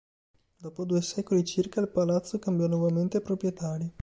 Dopo due secoli circa il palazzo cambiò nuovamente proprietari.